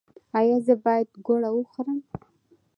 ایا زه باید ګوړه وخورم؟